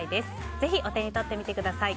ぜひお手に取ってみてください。